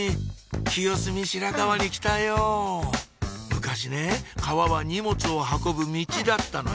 昔ね川は荷物を運ぶミチだったのよ